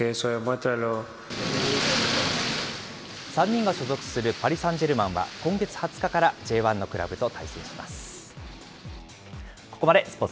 ３人が所属するパリサンジェルマンは、今月２０日からＪ１のクラブと対戦します。